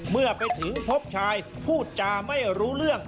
เมื่อไปถึงพบชายพูดจาไม่รู้เรื่อง